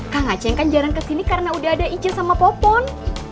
kang aceh kan jarang kesini karena udah ada icu sama popon